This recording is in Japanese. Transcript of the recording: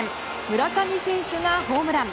村上選手がホームラン。